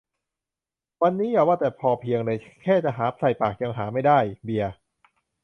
วันนี้อย่าว่าแต่พอเพียงเลย แค่จะหาใส่ปากยังหาไม่ได้ เบียร์